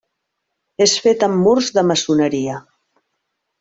És fet amb murs de maçoneria.